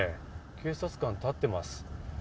警察官が立っています。